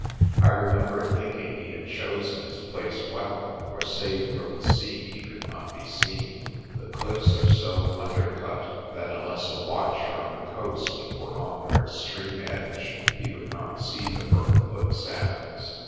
I remember thinking he had chosen his place well, for save from the sea he could not be seen. The cliffs are so under cut that unless a watcher on the coast were on their extreme edge he would not see the burnfoot sands.